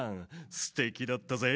すてきだったぜ。